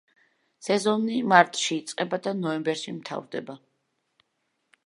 სეზონი მარტში იწყება და ნოემბერში მთავრდება.